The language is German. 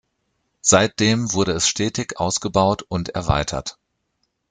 Seitdem wurde es stetig ausgebaut und erweitert.